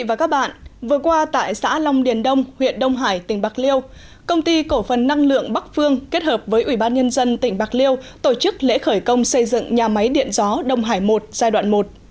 vừa qua tại xã long điền đông huyện đông hải tỉnh bạc liêu công ty cổ phần năng lượng bắc phương kết hợp với ủy ban nhân dân tỉnh bạc liêu tổ chức lễ khởi công xây dựng nhà máy điện gió đông hải một giai đoạn một